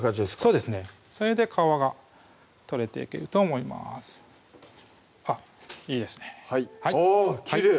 そうですねそれで皮が取れていけると思いますあっいいですねあぁきれい！